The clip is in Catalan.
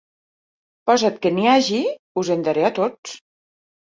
Posat que n'hi hagi, us en daré a tots.